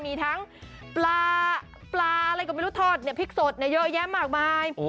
มีทั้งปลาปลาอะไรก็ไม่รู้ทอดพริกสดเยอะแยะมากมาย